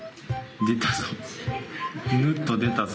出たぞ。